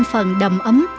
thêm phần đầm ấm